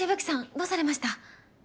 どうされました？